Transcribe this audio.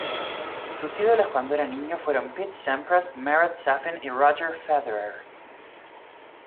Sus ídolos cuando era niño fueron Pete Sampras, Marat Safin y Roger Federer.